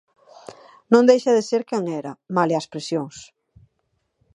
Non deixa de ser quen era, malia as presións.